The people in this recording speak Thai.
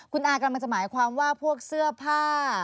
คุณอากำลังจะหมายความว่าพวกเสื้อผ้า